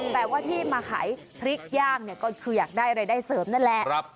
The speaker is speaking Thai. แต่ว่าที่มาขายพริกย่างเนี่ยก็คืออยากได้รายได้เสริมนั่นแหละ